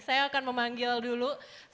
saya akan memanggil dulu